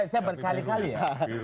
saya berkali kali ya